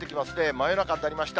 真夜中になりました。